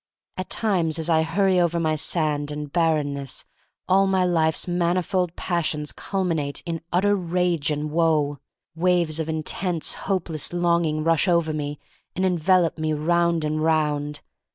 At times as I hurry over my sand and bar renness all my life's manifold passions culminate in utter rage and woe. Waves of intense, hopeless longing rush over me and envelop me round and round.